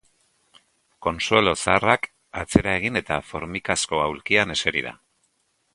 Consuelo zaharrak atzera egin eta formikazko aulkian eseri da.